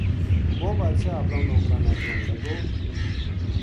وہ بادشاہ اپنا نوکراں نا کہن لگو